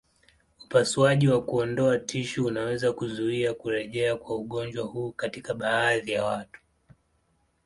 Upasuaji wa kuondoa tishu unaweza kuzuia kurejea kwa ugonjwa huu katika baadhi ya watu.